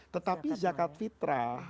tetapi zakat fitrah